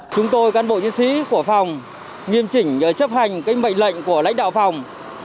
chúng tôi cán bộ nhân sĩ của phòng nghiêm trình chấp hành mệnh lệnh của lãnh đạo phòng